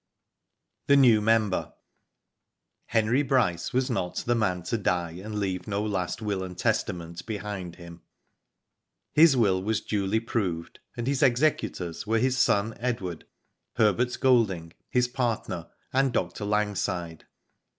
THE NEW MEMBER. Henry Bryce was not the man to die and leave no last will and testament behind him. His will was duly proved, and his executors were his son Edward, Herbert Golding, his part ner, and Dr. Langside.